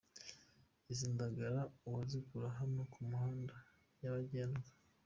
Izi ndagara uwazikura hano ku muhanda nyabagendwa.